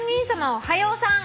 おはようさん。